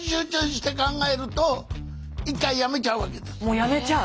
もうやめちゃう。